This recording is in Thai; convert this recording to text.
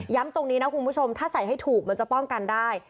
ตรงนี้นะคุณผู้ชมถ้าใส่ให้ถูกมันจะป้องกันได้